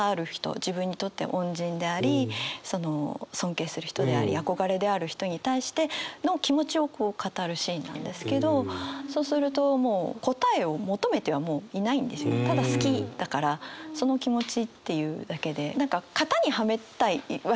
自分にとって恩人であり尊敬する人であり憧れである人に対しての気持ちをこう語るシーンなんですけどそうするともうただ好きだからその気持ちっていうだけで何か型にはめたいわけじゃない。